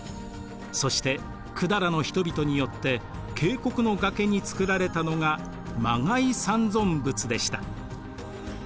そして百済の人々によって渓谷の崖に作られたのが磨崖三尊仏でした。